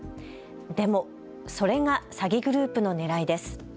でもそれが詐欺グループのねらいです。